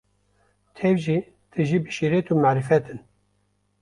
tev jî tijî bi şîret û marîfet in.